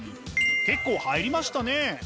結構入りましたね。